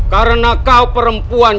karena kau perempuan